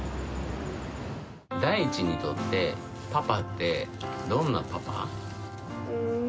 大知にとってパパってどんなパパ？